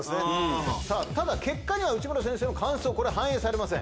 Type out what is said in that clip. ただ結果には内村先生の感想反映されません。